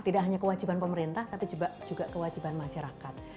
tidak hanya kewajiban pemerintah tapi juga kewajiban masyarakat